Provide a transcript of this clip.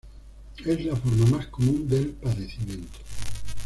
Es la forma más común del padecimiento.